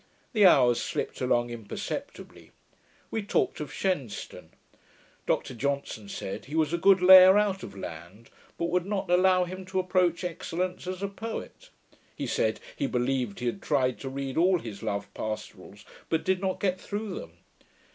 The hours slipped along imperceptibly. We talked of Shenstone. Dr Johnson said, he was a good layer out of land, but would not allow him to approach excellence as a poet. He said, he believed he had tried to read all his Love Pastorals, but did not get through them.